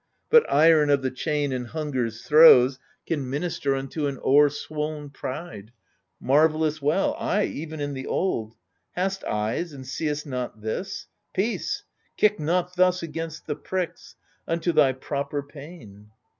But iron of the chain and hunger's throes Can minister unto an o'erswoln pride Marvellous well, ay, even in the old. Hast eyes, and seest not this? Peace — kick not thus Against the pricks, unto thy proper pain